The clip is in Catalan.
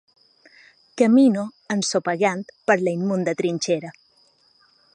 Camino, ensopegant, per la immunda trinxera